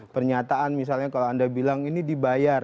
pernyataan misalnya kalau anda bilang ini dibayar